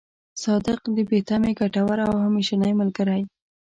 صادق، بې تمې، ګټور او همېشنۍ ملګری.